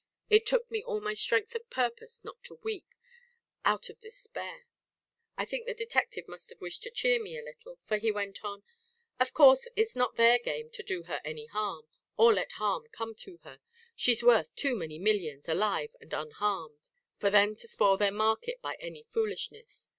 It took me all my strength of purpose not to weep, out of very despair. I think the detective must have wished to cheer me a little, for he went on: "Of course it's not their game to do her any harm, or let harm come to her. She's worth too many millions, alive and unharmed, for them to spoil their market by any foolishness.